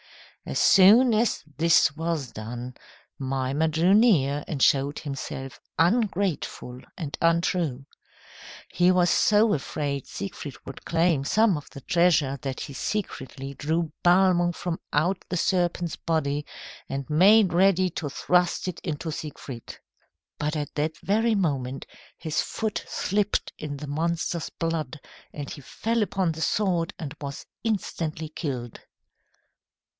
As soon as this was done, Mimer drew near and showed himself ungrateful and untrue. He was so afraid Siegfried would claim some of the treasure that he secretly drew Balmung from out the serpent's body, and made ready to thrust it into Siegfried. But at that very moment his foot slipped in the monster's blood, and he fell upon the sword and was instantly killed.